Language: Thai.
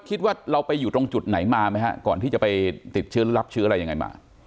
คิดว่าเราไปอยู่ตรงจุดไหนมาไหมฮะก่อนที่จะไปติดเชื้อหรือรับเชื้ออะไรยังไงมา